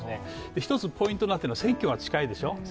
１つポイントになっているのは、選挙が近いでしょう。